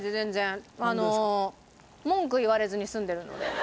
文句言われずに済んでるので。